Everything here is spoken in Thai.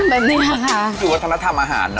นั่งแบบนี้นะคะก็คือวัคทณะทำอาหารเนอะ